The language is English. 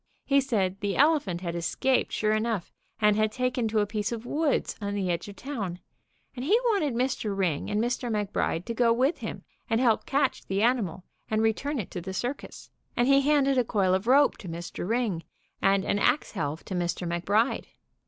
He said the elephant had es caped sure enough and had taken to a piece of woods on the edge of town, and he wanted Mr. Ring and Mr. Mc Bride to go with him and help catch the animal and re turn it to the cir cus, and he handed a coil of rope to Mr. Ring and an ax helve to Mr. McBride.